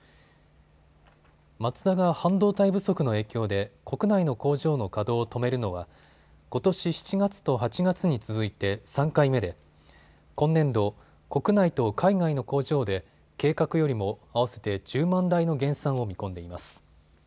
マツダが半導体不足の影響で国内の工場の稼働を止めるのはことし７月と８月に続いて３回目で今年度、国内と海外の工場で計画よりも合わせて１０万台の減産を見込んでいます。